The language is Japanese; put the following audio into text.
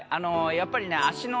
やっぱりね。